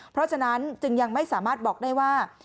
เพราะฉะนั้นจึงยังไม่สามารถบอกได้ว่า